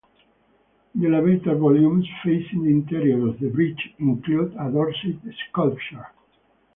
The elevator volumes, facing the interior of the bridge, include addorsed sculptures.